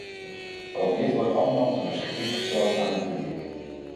Ook dit wordt allemaal ter beschikking gesteld aan het publiek.